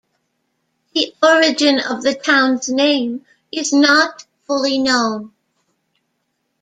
The origin of the town's name is not fully known.